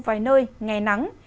vài nơi ngày nắng